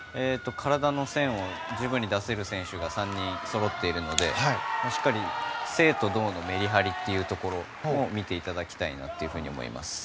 体の線を十分に出せる選手が３人そろっているのでしっかり静と動のメリハリを見ていただきたいなと思います。